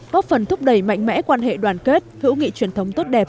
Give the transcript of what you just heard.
góp phần thúc đẩy mạnh mẽ quan hệ đoàn kết hữu nghị truyền thống tốt đẹp